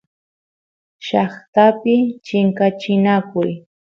llaqtapi chinkachinakuy